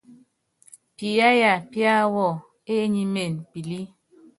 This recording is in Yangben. Piyááya píáwɔ enyímen pilí.